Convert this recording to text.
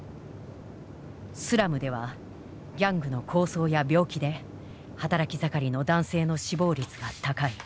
スラムではギャングの抗争や病気で働き盛りの男性の死亡率が高い。